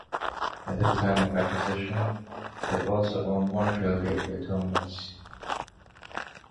At the time of acquisition they also owned Montreal Gateway Terminals.